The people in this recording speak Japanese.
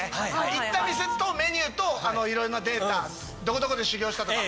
行った店とメニューといろいろなデータどこどこで修業したとか。